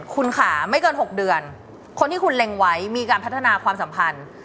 คุณค่ะไม่เกิน๖เดือนคนที่คุณเล็งไว้มีการพัฒนาความสัมพันธ์